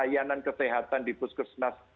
dan kemudian di puskesmas